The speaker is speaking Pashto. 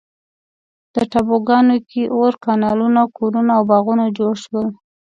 دې ټاپوګانو کې اور، کانالونه، کورونه او باغونه جوړ شول.